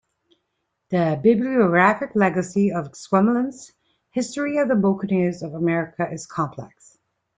The bibliographic legacy of Exquemelin's "History of the Bouccaneers of America" is complex.